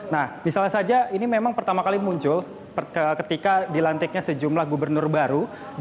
nah misalnya saja ini memang pertama kali muncul ketika dilantiknya sejumlah gubernur baru